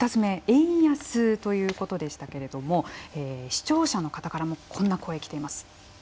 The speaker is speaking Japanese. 円安ということでしたけれども視聴者の方からもこんな声、きています。